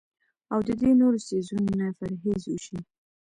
او د دې نورو څيزونو نه پرهېز اوشي